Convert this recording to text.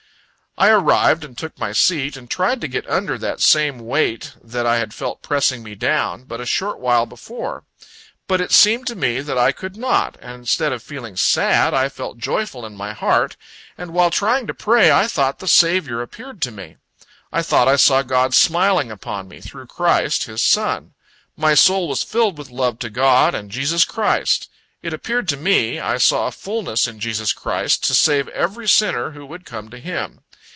I arrived, and took my seat, and tried to get under that same weight, that I had felt pressing me down, but a short while before. But it seemed to me that I could not; and, instead of feeling sad, I felt joyful in my heart; and while trying to pray, I thought the Saviour appeared to me. I thought I saw God smiling upon me, through Christ, His Son. My soul was filled with love to God and Jesus Christ. It appeared to me, I saw a fullness in Jesus Christ, to save every sinner who would come to Him.